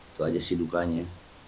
itu aja sih dukanya